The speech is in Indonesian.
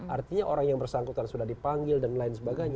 artinya orang yang bersangkutan sudah dipanggil dan lain sebagainya